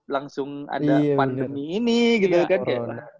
langsung ada pandemi ini gitu kan kayak